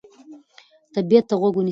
طبیعت ته غوږ ونیسئ.